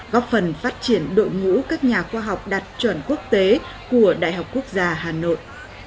góp phần phát triển đội ngũ các nhà khoa học đạt chuẩn quốc tế của đại học quốc gia hà nội